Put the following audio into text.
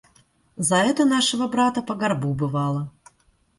За это нашего брата по горбу бывало.